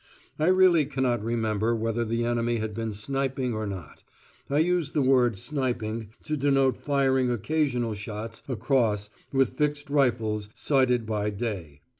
I really cannot remember whether the enemy had been sniping or not (I use the word "sniping" to denote firing occasional shots across with fixed rifles sited by day).